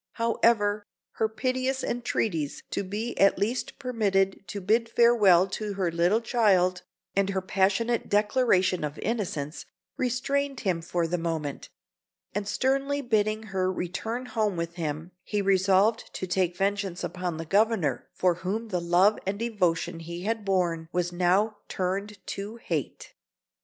However, her piteous entreaties to be at least permitted to bid farewell to her little child, and her passionate declaration of innocence, restrained him for the moment; and sternly bidding her return home with him, he resolved to take vengeance upon the Governor, for whom the love and devotion he had borne was now turned to hate.